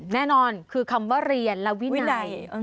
แน่นอนคือคำว่าเรียนและวินัย